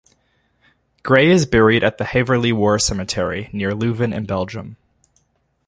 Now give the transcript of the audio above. Gray is buried at the Heverlee War Cemetery near Leuven in Belgium.